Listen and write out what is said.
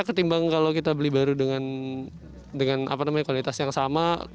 ketimbang kalau kita beli baru dengan kualitas yang sama